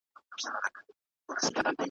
تور او سور زرغون بیرغ به بیا پر دې سیمه رپیږي ,